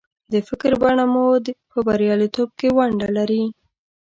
د فکر بڼه مو په برياليتوب کې ونډه لري.